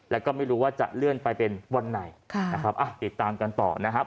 แล้วก็ไม่รู้ว่าจะเลื่อนไปเป็นวันไหนนะครับอ่ะติดตามกันต่อนะครับ